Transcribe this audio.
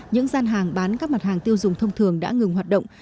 những gian hàng bán các mặt hàng tiêu dùng thông thường đã ngừng hoạt động